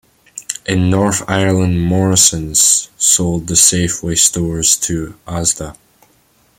In Northern Ireland Morrisons sold the Safeway stores to Asda.